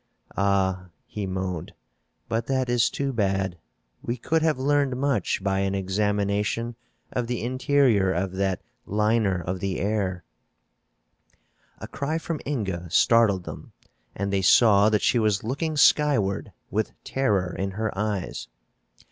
Ah," he moaned, "but that is too bad. We could have learned much by an examination of the interior of that liner of the air." A cry from Inga startled them and they saw that she was looking skyward, with terror in her eyes.